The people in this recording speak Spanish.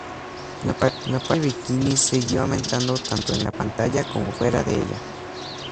La aparición de bikinis siguió aumentando tanto en la pantalla como fuera de ella.